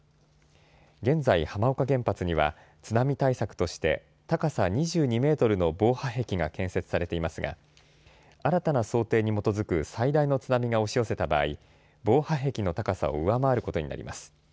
現在、浜岡原発には津波対策として高さ２２メートルの防波壁が建設されていますが新たな想定に基づく最大の津波が押し寄せた場合、防波壁の高さを上回ることになります。